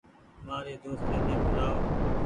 مآريِ دوستي ني ٻولآئو۔